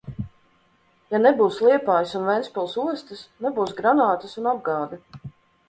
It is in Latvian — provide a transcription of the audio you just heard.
Ja nebūs Liepājas un Ventspils ostas, nebūs granātas un apgāde.